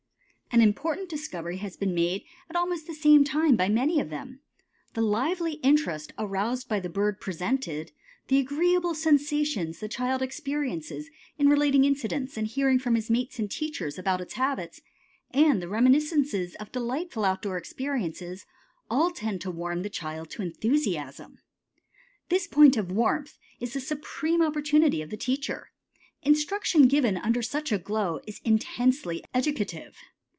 An important discovery has been made almost at the same time by many of them. The lively interest aroused by the bird presented, the agreeable sensations the child experiences in relating incidents and hearing from his mates and teacher about its habits, and the reminiscences of delightful outdoor experiences, all tend to warm the child to enthusiasm. This point of warmth is the supreme opportunity of the teacher. Instruction given under such a glow is intensely educative.